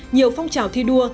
nhiều phong trào thi đua